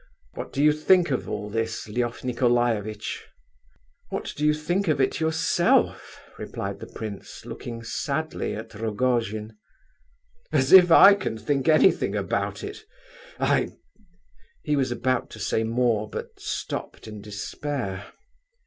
What do you think of all this, Lef Nicolaievitch?" "'What do you think of it yourself?" replied the prince, looking sadly at Rogojin. "As if I can think anything about it! I—" He was about to say more, but stopped in despair.